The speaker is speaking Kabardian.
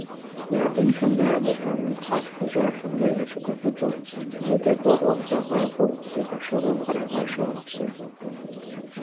Я бынхэмрэ абыхэм къалъхужахэмрэ ящыгуфӀыкӀыу, зи дэкӀуэгъуэр дагъакӀуэу, зи къэшэгъуэм кърагъашэу мэпсэу.